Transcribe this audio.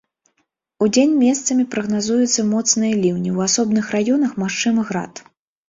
Удзень месцамі прагназуюцца моцныя ліўні, у асобных раёнах магчымы град.